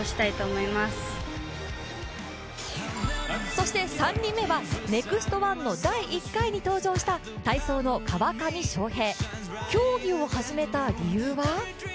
そして３人目は「ＮＥＸＴ☆１」の第１回目に登場した体操の川上翔平。